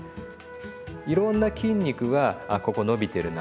いろんな筋肉があここ伸びてるなとかね